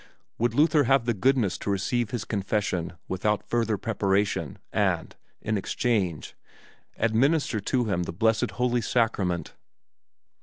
Would Luther have the goodness to receive his confession without further preparation and, in exchange, administer to him the blessed Holy Sacrament?